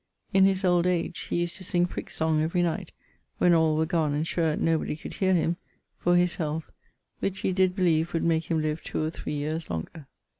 In his old age he used to sing prick song every night (when all were gonne and sure nobody could heare him) for his health, which he did beleeve would make him live two or three yeares longer.